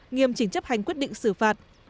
nghiêm chỉnh chấp hành quyết định xử phạt